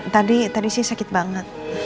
tadi tadi sih sakit banget